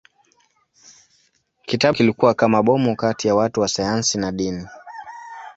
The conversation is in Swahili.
Kitabu kilikuwa kama bomu kati ya watu wa sayansi na wa dini.